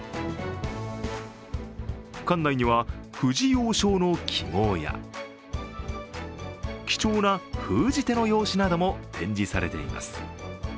館内には藤井王将の揮ごうや貴重な封じ手の用紙なども展示されています。